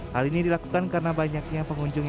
hal ini dilakukan karena banyaknya pengunjungnya